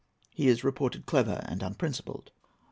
He is reported clever and unprincipled.